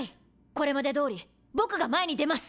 これまでどおりボクが前に出ます！